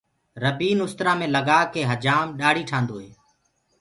ربينٚ اُسترآ مينٚ لگآ ڪي هجآم ڏآڙهي ٺآندو هي۔